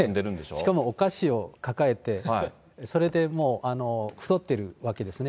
しかもお菓子を抱えて、それでもう太ってるわけですね。